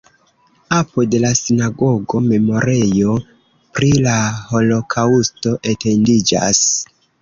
Apud la sinagogo memorejo pri la holokaŭsto etendiĝas.